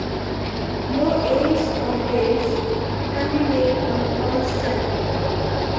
No ace or base can be made on a foul strike.